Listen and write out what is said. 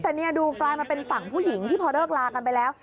แต่นี่ดูกลายมาเป็นฝั่งผู้หญิงที่พอเลิกลากันไปแล้ว